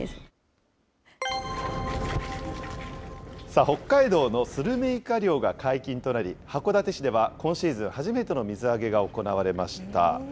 さあ、北海道のスルメイカ漁が解禁となり、函館市では今シーズン初めての水揚げが行われました。